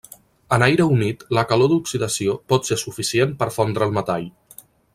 En aire humit, la calor d'oxidació pot ser suficient per fondre el metall.